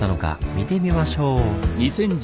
見てみましょう！